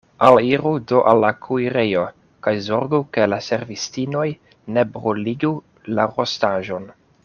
Aliru do al la kuirejo, kaj zorgu, ke la servistinoj ne bruligu la rostaĵon.